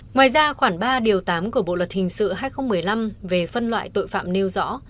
ngoài ra khoảng ba điều tám của bộ luật hình sự hai nghìn một mươi năm về phân loại tội phạm nêu rõ